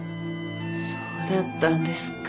そうだったんですか。